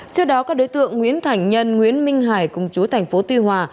trước đó các đối tượng nguyễn thành nhân nguyễn minh hải công chú tp tuy hòa